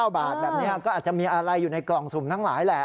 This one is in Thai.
๙บาทแบบนี้ก็อาจจะมีอะไรอยู่ในกล่องสุ่มทั้งหลายแหละ